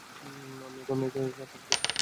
আমি এখন তাকে একা দেখতে চাই।